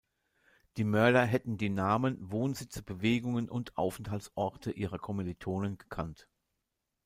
Die Mörder hätten die Namen, Wohnsitze, Bewegungen und Aufenthaltsorte ihrer Kommilitonen gekannt.